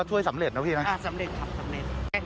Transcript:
ช่วยสำเร็จนะพี่นะสำเร็จครับสำเร็จ